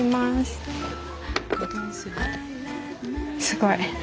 すごい。